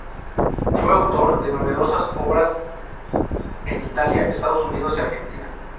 Fue autor de numerosas obras en Italia, Estados Unidos y Argentina.